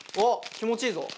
気持ちいいぞ！